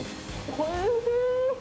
おいしい。